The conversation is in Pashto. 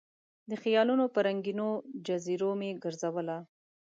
د خیالونو په رنګینو جزیرو مې ګرزوله